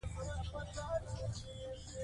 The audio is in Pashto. ماشوم باید خپل یونیفرم خپله واغوندي.